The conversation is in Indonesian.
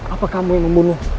apa kamu yang membunuh